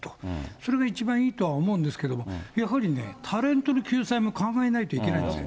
それが一番いいとは思うんですけれども、やはりね、タレントの救済も考えないといけないんですよ。